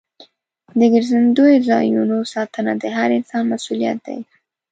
د ګرځندوی ځایونو ساتنه د هر انسان مسؤلیت دی.